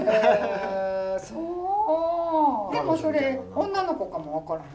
でもそれ女の子かも分からへん。